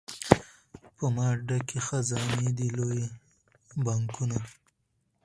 په ما ډکي خزانې دي لوی بانکونه